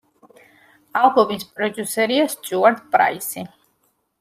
ალბომის პროდიუსერია სტიუარტ პრაისი.